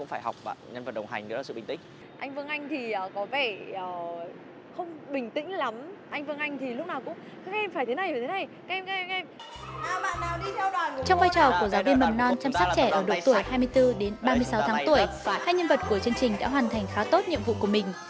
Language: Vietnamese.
hai nhân vật của chương trình đã hoàn thành khá tốt nhiệm vụ của mình